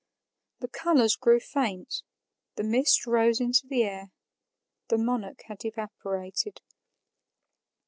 The colors grew faint; the mist rose into the air; the monarch had evaporated.